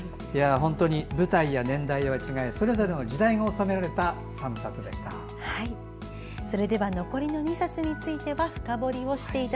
本当に舞台や年代は違えどそれぞれの時代が収められた３冊でした。